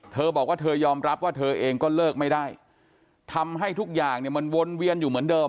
เธอบอกว่าเธอยอมรับว่าเธอเองก็เลิกไม่ได้ทำให้ทุกอย่างเนี่ยมันวนเวียนอยู่เหมือนเดิม